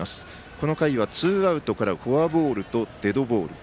この回はツーアウトからフォアボールとデッドボール。